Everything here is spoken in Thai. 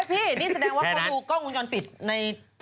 พี่นี้แสดงว่าก้อนดูกล้องกุญจรปิดในบาร์